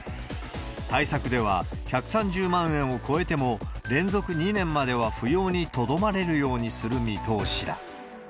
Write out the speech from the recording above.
対策では、１３０万円を超えても連続２年までは扶養にとどまれるようにする見通しだ。